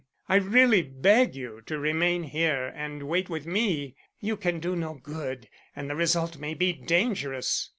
"I really beg you to remain here and wait with me. You can do no good and the result may be dangerous."